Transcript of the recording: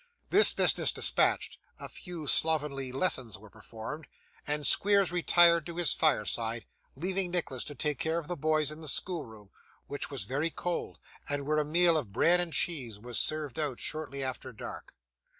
This business dispatched, a few slovenly lessons were performed, and Squeers retired to his fireside, leaving Nicholas to take care of the boys in the school room, which was very cold, and where a meal of bread and cheese was served out shortly after dark.